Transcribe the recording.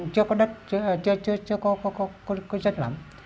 chưa có đất chưa có chất lắm